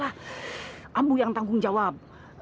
ambu yang tanggung jawab